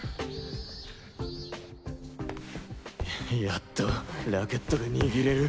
やっとラケットが握れる。